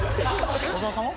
小沢さんは？